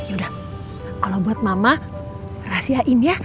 yaudah kalau buat mama rahasiain ya